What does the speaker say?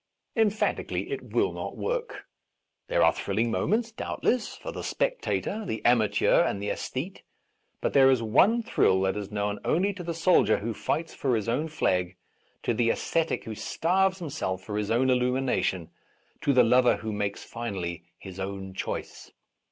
Emphatically it will not work. There are thrilling moments, doubtless, for the spectator, the amateur, and the aesthete ; A Defence op Rash Vows but there is one thrill that is known only to the soldier who fights for his own flag, to the ascetic who starves himself for his own illumination, to the lover who makes finally his own choice.